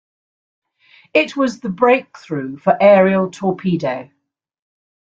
It was the breakthrough for aerial torpedo.